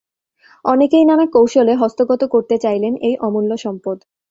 অনেকেই নানা কৌশলে হস্তগত করতে চাইলেন এই অমূল্য সম্পদ।